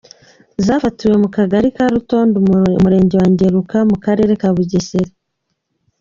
Zafatiwe mu kagari ka Rutonde, umurenge wa Ngeruka, mu karere ka Bugesera.